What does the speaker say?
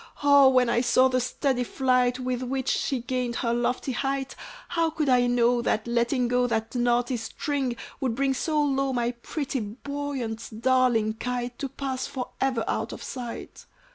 Oh! when I saw the steady flight, With which she gained her lofty height, How could I know, that letting go That naughty string, would bring so low My pretty, buoyant, darling kite, To pass for ever out of sight?